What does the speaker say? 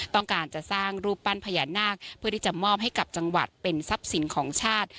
ต้องการจะสร้างรูปปั้นพญานาคเพื่อที่จะมอบให้กับจังหวัดเป็นทรัพย์สินของชาติ